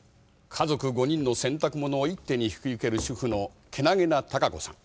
家族５人の洗濯物を一手に引き受ける主婦のけなげなタカコさん。